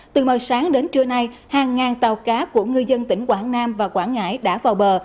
từ màu sáng đến trưa nay hàng ngàn tàu cá của ngư dân tỉnh quảng nam và quảng ngãi đã vào bờ